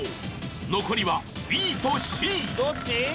残りはＢとＣ。